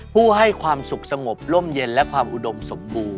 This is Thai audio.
ผู้ให้ความสุขสงบร่มเย็นและความอุดมสมบูรณ